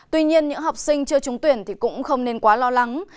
tuy nhiên những học sinh chưa trúng tuyển thì cũng không nên quá lo lắng